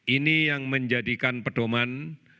ini yang menjadikan pedoman